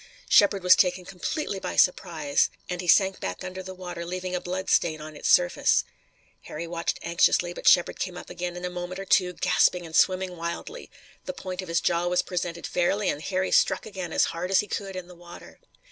Shepard was taken completely by surprise and he sank back under the water, leaving a blood stain on its surface. Harry watched anxiously, but Shepard came up again in a moment or two, gasping and swimming wildly. The point of his jaw was presented fairly and Harry struck again as hard as he could in the water.